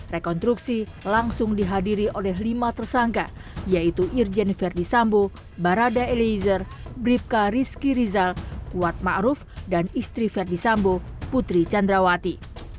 rekonstruksi langsung dihadiri oleh lima tersangka yaitu irjen ferdisambo barada eleizer bribka rizki rizal kuat ma'ruf dan istri ferdisambo putri chandrawati